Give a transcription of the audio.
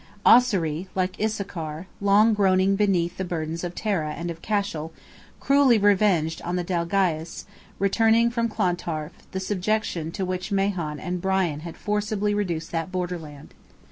Ossory, like Issachar, long groaning beneath the burdens of Tara and of Cashel, cruelly revenged on the Dalgais, returning from Clontarf, the subjection to which Mahon and Brian had forcibly reduced that borderland.